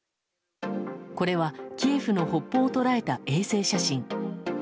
これはキエフの北方を捉えた衛星写真。